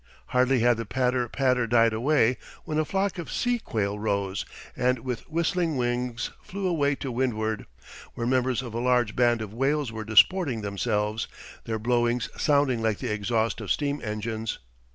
Hardly had the patter, patter died away when a flock of sea quail rose, and with whistling wings flew away to windward, where members of a large band of whales were disporting themselves, their blowings sounding like the exhaust of steam engines.